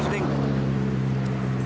rupanya mantap lah